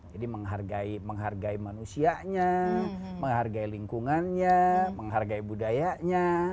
jadi menghargai manusianya menghargai lingkungannya menghargai budayanya